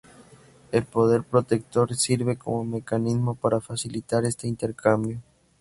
El poder protector sirve como mecanismo para facilitar este intercambio.